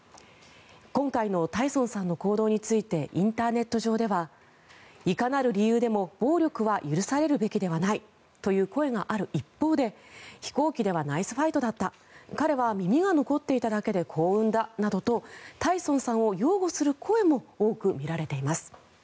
今回のタイソンさんの行動についてインターネット上ではいかなる理由でも暴力は許されるべきではないという声がある一方で飛行機ではナイスファイトだった彼は耳が残っていただけで幸運だなどとタイソンさんを擁護する声も多く見られています。